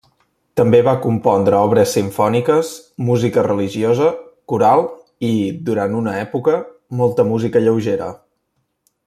També va compondre obres simfòniques, música religiosa, coral i, durant una època, molta música lleugera.